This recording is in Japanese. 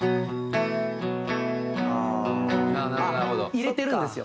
入れてるんですよ。